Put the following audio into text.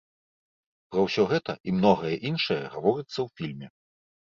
Пра ўсё гэта і многае іншае гаворыцца ў фільме.